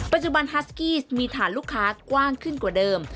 ปัจจุบันฮัสกี้มีฐานลูกค้ากว้างขึ้นกว่าเดิม